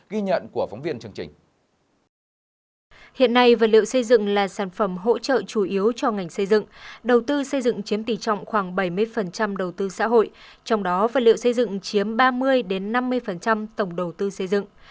hiện nay vật liệu xây dựng là sản phẩm hỗ trợ chủ yếu cho ngành xây dựng đầu tư xây dựng chiếm tỷ trọng khoảng bảy mươi đầu tư xã hội trong đó vật liệu xây dựng chiếm ba mươi năm mươi tổng đầu tư xây dựng